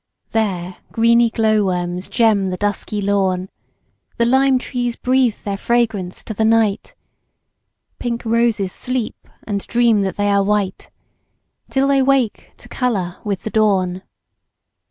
There greeny glow worms gem the dusky lawn The lime trees breathe their fragrance to the night, Pink roses sleep, and dream that they are white Until they wake to colour with the dawn.